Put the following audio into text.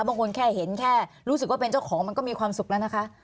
บางคนแค่เห็นแค่รู้สึกว่าเป็นเจ้าของมันก็มีความสุขแล้วนะคะ